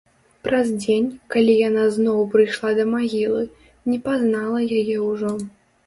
Праз дзень, калі яна зноў прыйшла да магілы, не пазнала яе ўжо.